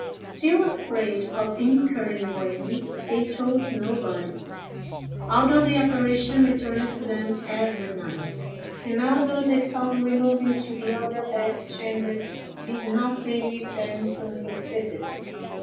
Still afraid of incurring blame, they told nobody, although the apparition returned to them every night; and although they found removing to the other bed chambers did not relieve them from his visits.